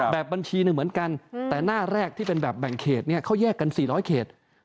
แบบบัญชีหนึ่งเหมือนกันแต่หน้าแรกที่เป็นแบบแบ่งเขตเนี่ยเขาแยกกัน๔๐๐เขต